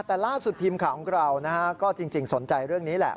แต่ล่าสุดทีมข่าวของเรานะฮะก็จริงสนใจเรื่องนี้แหละ